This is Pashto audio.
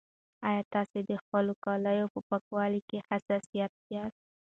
ایا تاسي د خپلو کالیو په پاکوالي کې حساس یاست؟